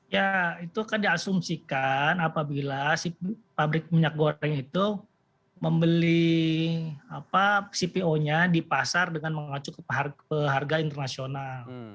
ya itu kan diasumsikan apabila si pabrik minyak goreng itu membeli cpo nya di pasar dengan mengacu ke harga internasional